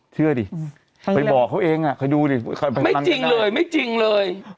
เชื่อดิไปบอกเขาเองอ่ะใครดูดิไม่จริงเลยไม่จริงเลย